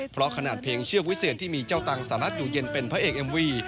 เพราะขนาดเพลงเชือกวิเซียนที่มีเจ้าตังสหรัฐอยู่เย็นเป็นพระเอกเอ็มวี